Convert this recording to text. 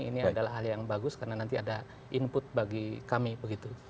ini adalah hal yang bagus karena nanti ada input bagi kami begitu